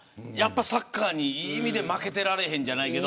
サッカーに、いい意味で負けてられへんじゃないけど。